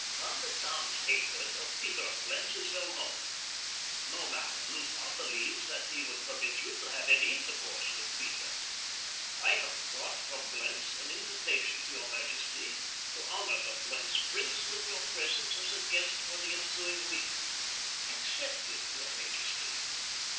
"Von der Tann's hatred of Peter of Blentz is well known. No man in Lutha believes that he would permit you to have any intercourse with Peter. I have brought from Blentz an invitation to your majesty to honor the Blentz prince with your presence as a guest for the ensuing week. Accept it, your majesty.